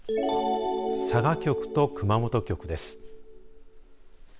佐賀局と熊本局です。